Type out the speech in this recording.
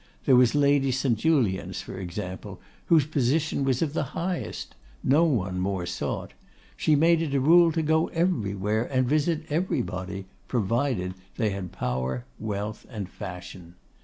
There was Lady St. Julians, for example, whose position was of the highest; no one more sought; she made it a rule to go everywhere and visit everybody, provided they had power, wealth, and fashion.